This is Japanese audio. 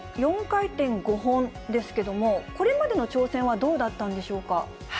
４回転５本ですけども、これまでの挑戦はどうだったんでしょうか。